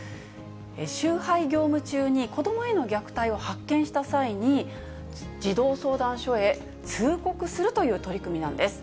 集配業務中に、子どもへの虐待を発見した際に、児童相談所へ通告するという取り組みなんです。